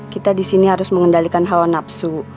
kita disini harus mengendalikan hawa nafsu